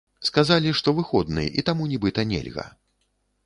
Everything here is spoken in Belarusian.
Сказалі, што выходны, і таму нібыта нельга.